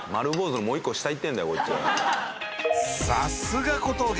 さすが小峠！